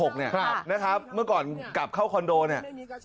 นะครับเมื่อก่อนเก็บเข้าคอนโดเนี่ย